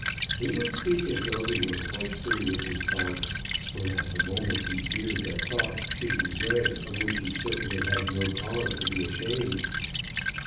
He would speak as though he were quite free with his thoughts, when, at the moment, he feared that thoughts should be read of which he certainly had no cause to be ashamed.